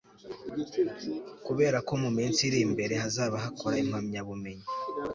kuberako mu minsi iri imbere hazaba hakora impamyabumenyi